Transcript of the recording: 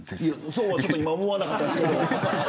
そうは思わなかったですけど。